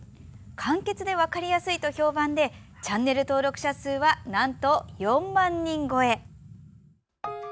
簡潔で分かりやすいと評判でチャンネル登録者数はなんと４万人超え。